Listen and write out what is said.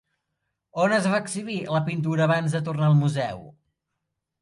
On es va exhibir la pintura abans de tornar al museu?